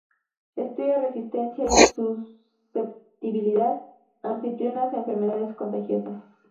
Estudia resistencia y susceptibilidad anfitrionas a enfermedades contagiosas.